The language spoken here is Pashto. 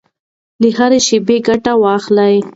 له هرې شېبې ګټه واخلئ.